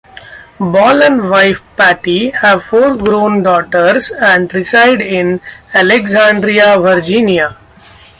Ball and wife, Patty, have four grown daughters and reside in Alexandria, Virginia.